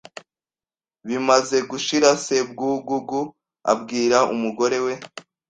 Bimaze gushira Sebwugugu abwira umugore we